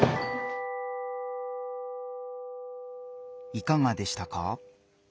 いかがでしたか？